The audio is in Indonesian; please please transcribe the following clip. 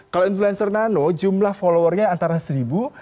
kalau influencer nano jumlah followernya antara seribu